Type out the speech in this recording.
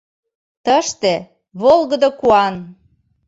Тыште — волгыдо куан!